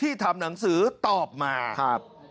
ที่ทำหนังสือตอบมา